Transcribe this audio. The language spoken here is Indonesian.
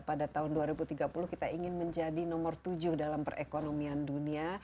pada tahun dua ribu tiga puluh kita ingin menjadi nomor tujuh dalam perekonomian dunia